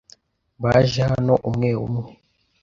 Baje hano umwe umwe.